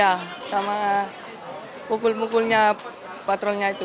ya sama pukul pukulnya patrolnya itu